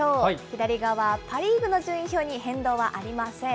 左側、パ・リーグの順位表に変動はありません。